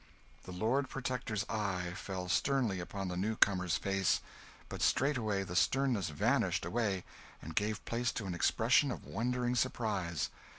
'" The Lord Protector's eye fell sternly upon the new comer's face; but straightway the sternness vanished away, and gave place to an expression of wondering surprise.